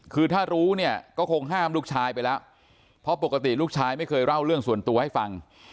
คือถ้ารู้เนี่ยก็คงห้ามลูกชายไปแล้วเพราะปกติลูกชายไม่เคยเล่าเรื่องส่วนตัวให้ฟัง